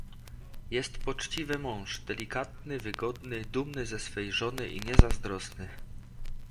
"Jest poczciwy mąż, delikatny, wygodny, dumny ze swej żony i niezazdrosny."